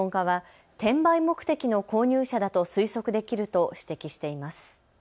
専門家は転売目的の購入者だと推測できると指摘しています。